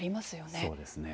そうですね。